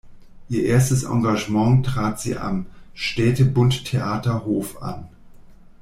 Ihr erstes Engagement trat sie am Städtebundtheater Hof an.